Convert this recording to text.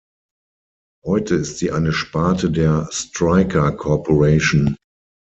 Heute ist sie eine Sparte der Stryker Corporation.